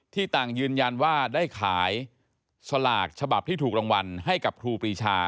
ต่างยืนยันว่าได้ขายสลากฉบับที่ถูกรางวัลให้กับครูปรีชา